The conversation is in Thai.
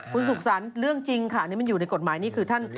คุณสุขสรรค์เรื่องจริงค่ะอันนี้มันอยู่ในกฎหมายนี่คือท่าน